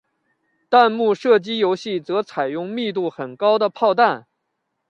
弹幕射击游戏则采用密度很高的炮弹。